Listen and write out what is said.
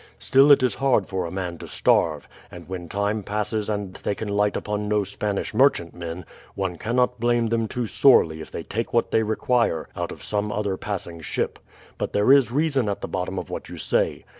Still it is hard for a man to starve; and when time passes and they can light upon no Spanish merchantmen, one cannot blame them too sorely if they take what they require out of some other passing ship. But there is reason at the bottom of what you say.